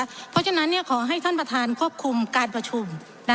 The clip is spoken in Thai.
เพราะฉะนั้นขอให้ท่านประธานควบคุมการประชุม